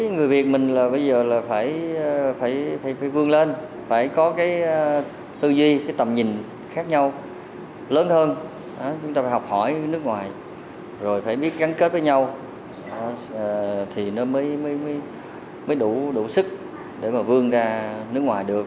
người việt mình bây giờ là phải vương lên phải có tư duy tầm nhìn khác nhau lớn hơn chúng ta phải học hỏi nước ngoài rồi phải biết gắn kết với nhau thì nó mới đủ sức để vương ra nước ngoài được